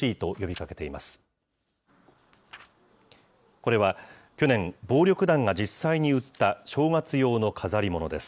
これは去年、暴力団が実際に売った正月用の飾り物です。